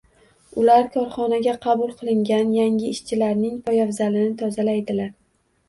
Ular korxonaga qabul qilingan yangi ishchilarning poyabzalini tozalaydilar.